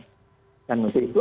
wajiban dan untuk itu